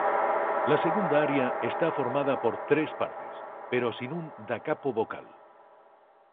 La segunda aria está formada por tres partes, pero sin un "da capo" vocal.